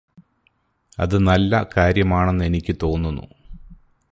അത് നല്ല കാര്യമാണെന്ന് എനിക്ക് തോന്നുന്നു